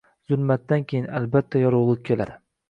Zulmatdan keyin, albatta, yorug`lik keladi